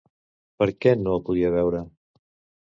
Per què no el podia veure?